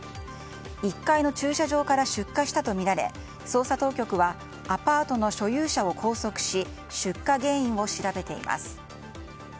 １階の駐車場から出火したとみられ捜査当局はアパートの所有者を拘束し出火原因を調べています。